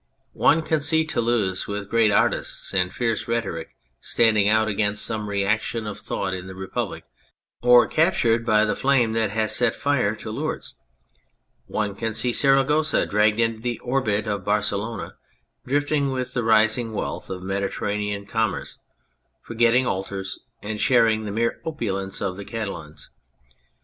One can see Toulouse with great artists and fierce rhetoric standing out against some reaction of thought in the Republic or captured by the flame that has set fire to Lourdes ; one can see Saragossa dragged into the orbit of Barcelona, drifting with the rising wealth of Mediterranean commerce, forgetting altars, and sharing the mere opulence of the Catalans.